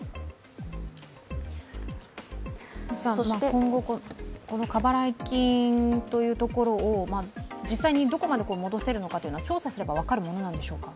今後この過払い金というところを実際にどこまで戻せるのかというのは調査すれば分かるものなんでしょうか？